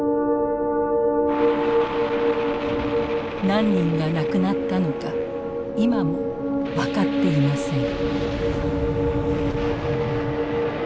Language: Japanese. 何人が亡くなったのか今も分かっていません。